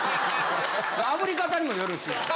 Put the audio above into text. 炙り方にもよるし。